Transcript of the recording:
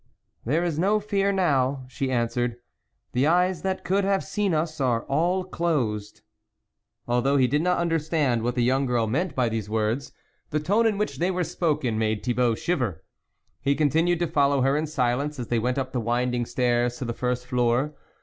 ..."" There is no fear now," she answered, ' the eyes that could have seen us are all closed." Although he did not understand what the young girl meant by these words, the :one in which they were spoken made Thibault shiver. He continued to follow her in silence as they went up the winding stairs to the irst floor.